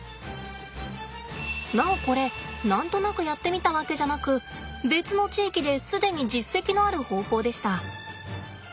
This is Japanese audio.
なおこれ何となくやってみたわけじゃなく別の地域で既に実績のある方法でした。